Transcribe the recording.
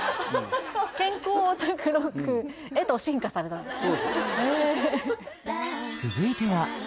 健康オタクロックへと進化されたんですね？